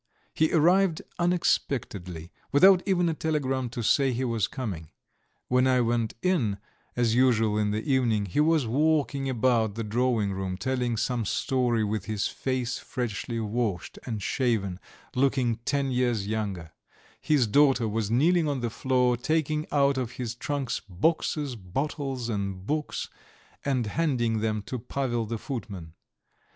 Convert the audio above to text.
He arrived unexpectedly, without even a telegram to say he was coming. When I went in, as usual in the evening, he was walking about the drawing room, telling some story with his face freshly washed and shaven, looking ten years younger: his daughter was kneeling on the floor, taking out of his trunks boxes, bottles, and books, and handing them to Pavel the footman.